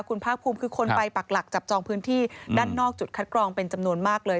คุณภาคภูมิคือคนไปปักหลักจับจองพื้นที่ด้านนอกจุดคัดกรองเป็นจำนวนมากเลย